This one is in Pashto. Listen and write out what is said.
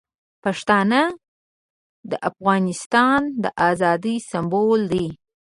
پښتانه د افغانستان د ازادۍ سمبول دي.